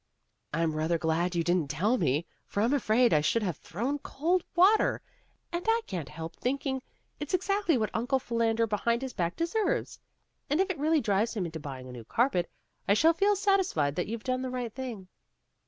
"I'm rather glad you didn't tell me, for I'm afraid I should have thrown cold water, and I can't help thinking it's exactly what Uncle Philander Behind His Back deserves. And if it really drives him into buying a new carpet, I shall feel satisfied that you've done the right thing."